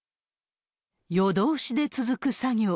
夜通しで続く作業。